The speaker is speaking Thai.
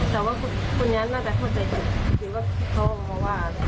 แต่ว่าคนนี้น่าจะเข้าใจถึง